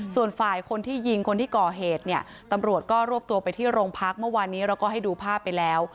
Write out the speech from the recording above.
ส่วนฝ่ายคนที่ยิงคนที่ก่อเหตุเนี่ยตำรวจก็รวบตัวไปที่โรงพักเมื่อวานนี้เราก็ให้ดูภาพไปแล้ว